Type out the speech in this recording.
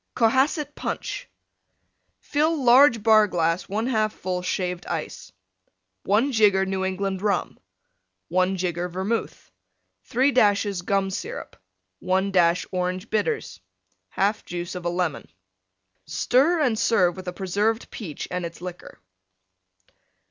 COHASSET PUNCH Fill large Bar glass 1/2 full Shaved Ice. 1 jigger New England Rum. 1 jigger Vermouth. 3 dashes Gum Syrup. 1 dash Orange Bitters. 1/2 juice of a Lemon Stir and serve with a Preserved Peach and its liquor.